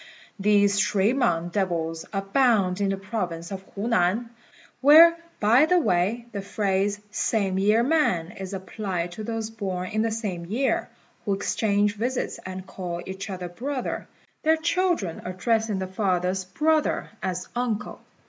These shui mang devils abound in the province of Hunan, where, by the way, the phrase "same year man" is applied to those born in the same year, who exchange visits and call each other brother, their children addressing the father's "brother" as uncle.